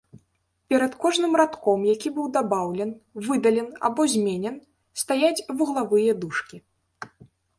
Перад кожным радком, які быў дабаўлен, выдален або зменен, стаяць вуглавыя дужкі.